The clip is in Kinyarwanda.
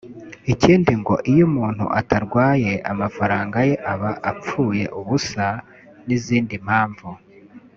ikindi ngo iyo umuntu atarwaye amafaranga ye aba apfuye ubusa n’izindi mpamvu